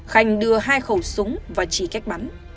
khanh đưa hai khẩu súng và chỉ cách bắn